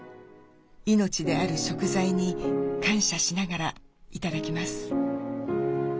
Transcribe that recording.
命である食材に感謝しながら頂きます。